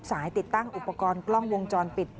ติดตั้งอุปกรณ์กล้องวงจรปิด